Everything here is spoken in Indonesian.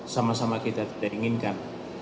sama sama kita tidak inginkan